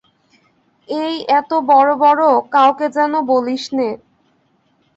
এই এত বড় বড়, কাউকে যেন বলিসনে!